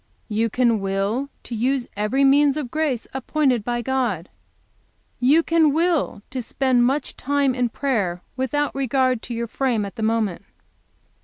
"You can will to use every means of grace appointed by God. "You can will to spend much time in prayer, without regard to your frame at the moment.